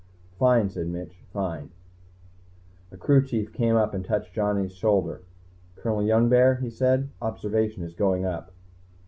"Fine," said Mitch. "Fine." A crew chief came up and touched Johnny's shoulder. "Colonel Youngbear," he said, "Observation is going up."